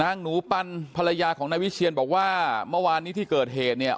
หนูปันภรรยาของนายวิเชียนบอกว่าเมื่อวานนี้ที่เกิดเหตุเนี่ย